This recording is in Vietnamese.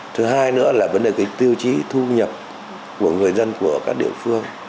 thứ hai nữa là vấn đề tiêu chí thu nhập của người dân của các địa phương